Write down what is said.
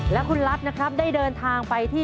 และคุณรัฐนะครับได้เดินทางไปที่